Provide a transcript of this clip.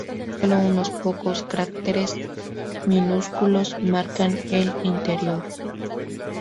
Solo unos pocos cráteres minúsculos marcan el interior.